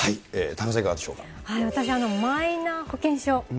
私、マイナ保険証。